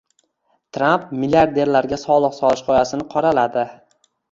Tramp milliarderlarga soliq solish g‘oyasini qoralading